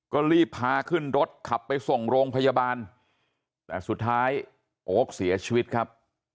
ก็รีบพาขึ้นรถขับไปส่งโรงพยาบาลแต่สุดท้ายโอ๊คเสียชีวิตครับ